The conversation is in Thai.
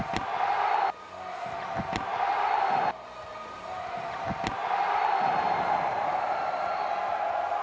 สวัสดีครับทุกคน